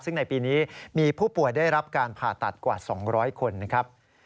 ซึ่งในปีนี้มีผู้ป่วยได้รับการผ่าตัดกว่า๒๐๐คนนะครับ